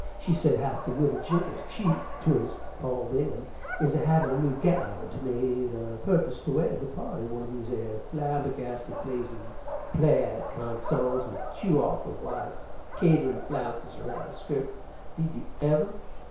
She said how't the widder Jinkins (she 'twas Poll Bingham) is a havin' a new gownd made a purpose to wear to the party, one of these 'ere flambergasted, blazin' plaid consarns, with tew awful wide kaiterin' flounces around the skirt. Did you ever!